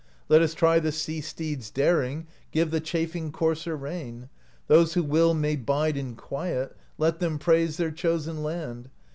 Let us try the sea steed's daring. Give the chafing courser rein. Those who will may bide in quiet. Let them praise their chosen land.